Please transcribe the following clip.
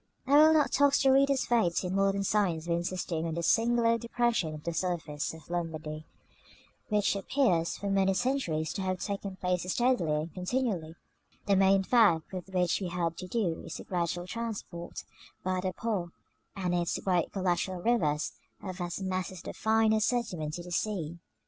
I will not tax the reader's faith in modern science by insisting on the singular depression of the surface of Lombardy, which appears for many centuries to have taken place steadily and continually; the main fact with which we have to do is the gradual transport, by the Po and its great collateral rivers, of vast masses of the finer sediment to the sea.